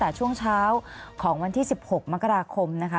อย่างจากวันที่สิบหกมกราคมนะคะ